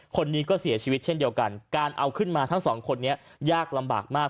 คนนี้ก็เสียชีวิตเช่นเดียวกันการเอาขึ้นมาทั้งสองคนนี้ยากลำบากมาก